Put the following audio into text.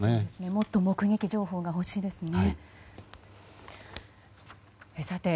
もっと目撃情報が欲しいですよね。